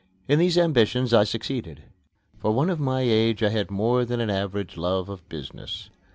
In these ambitions I succeeded. For one of my age I had more than an average love of business.